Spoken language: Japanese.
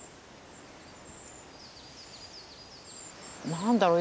何だろう？